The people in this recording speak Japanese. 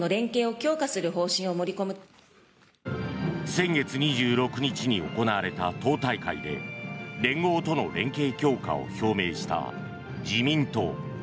先月２６日に行われた党大会で連合との連携強化を表明した自民党。